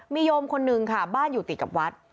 มีโยมคนนึงค่ะบ้านอยู่ติดกับวัด